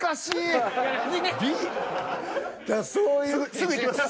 すぐ行きます